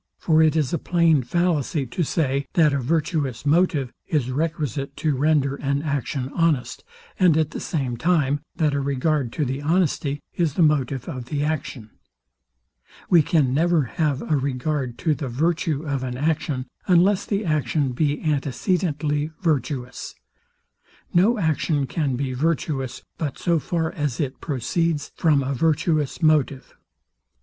For it is a plain fallacy to say, that a virtuous motive is requisite to render an action honest, and at the same time that a regard to the honesty is the motive of the action. We can never have a regard to the virtue of an action, unless the action be antecedently virtuous. No action can be virtuous, but so far as it proceeds from a virtuous motive.